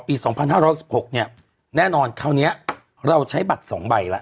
ปีสองพันห้ารสบกเนี่ยแน่นอนคราวเนี้ยเราใช้บัตรสองใบแล้ว